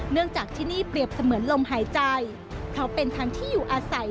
เนื่องจากที่นี่เปรียบเสมือนลมหายใจเพราะเป็นทางที่อยู่อาศัย